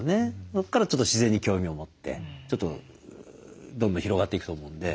そこからちょっと自然に興味を持ってちょっとどんどん広がっていくと思うんで。